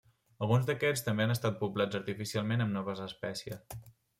Alguns d'aquests també han estat poblats artificialment amb noves espècies.